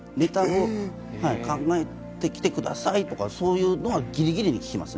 ネタを考えてきてくださいとか、そういうのはぎりぎりに聞きますね。